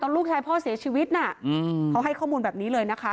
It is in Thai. ลูกชายพ่อเสียชีวิตน่ะเขาให้ข้อมูลแบบนี้เลยนะคะ